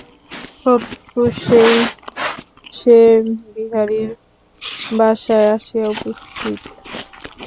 প্রত্যুষেই সে বিহারীর বাসায় আসিয়া উপস্থিত।